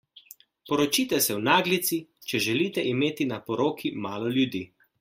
Poročite se v naglici, če želite imeti na poroki malo ljudi.